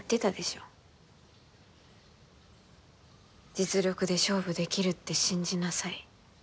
実力で勝負できるって信じなさい。